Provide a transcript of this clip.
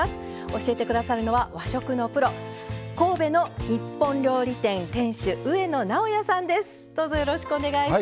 教えてくださるのは和食のプロ神戸の日本料理店店主上野直哉さんです。